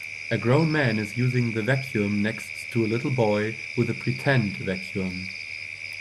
A grown man is using the vacuum next to a little boy with a pretend vacuum.